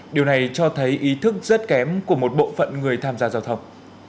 điều này cho thấy ý thức rất kém của một bộ phận người tham gia giao thông